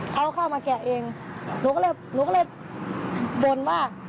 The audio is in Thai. เขาเข้ามาแกะเองหนูก็เลยโดนว่า